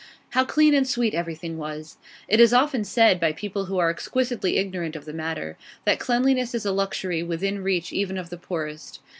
How clean and sweet everything was! It is often said, by people who are exquisitely ignorant of the matter, that cleanliness is a luxury within reach even of the poorest.